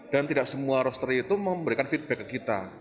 dan tidak semua rosteri itu memberikan feedback ke kita